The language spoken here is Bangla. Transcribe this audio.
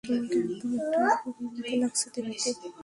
তোমাকে একদম একটা পরীর মতো লাগছে দেখতে!